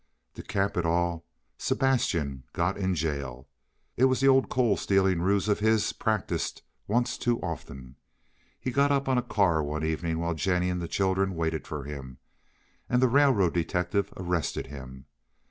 To cap it all, Sebastian got in jail. It was that old coal stealing ruse of his practised once too often. He got up on a car one evening while Jennie and the children waited for him, and a railroad detective arrested him.